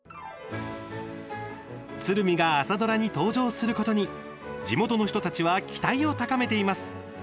鶴見が朝ドラに登場することに地元の人たちは期待を高めています。